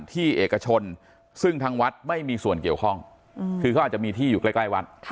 ที่เอกชนซึ่งทางวัดไม่มีส่วนเกี่ยวข้องคือเขาอาจจะมีที่อยู่ใกล้วัด